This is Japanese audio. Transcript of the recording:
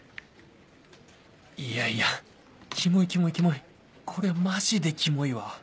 いやいやキモいキモいキモいこれはマジでキモいわ